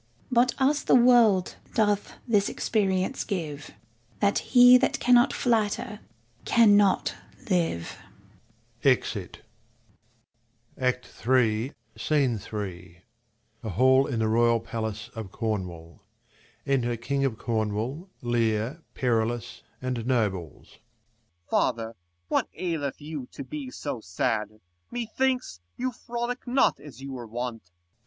But us the world doth this experience give, That he that jcannoL flatter^ cannot live. [Exit. 34 KING LEIR AND [Acr III SCENE III. A hall in the royal palace of Cornwall. Enter king of Corn wall, Leir, Perillus, and nobles. Corn. OFatheiy what aileth you to be so sad ? Methinks, you frolic not as you were wont.